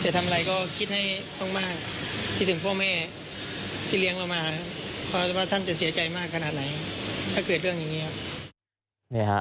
เพราะว่าท่านจะเสียใจมากขนาดไหนถ้าเกิดเรื่องอย่างนี้ครับ